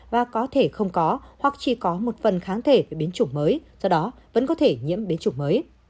và có thể không có hoặc chỉ có một phần kháng thể về biến chủng mới do đó vẫn có thể nhiễm biến chủng mới